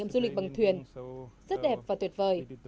trải nghiệm du lịch bằng thuyền rất đẹp và tuyệt vời